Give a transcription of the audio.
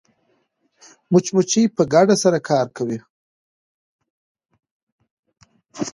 مچمچۍ په ګډه سره کار کوي